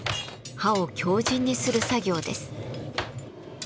刃を強じんにする作業です。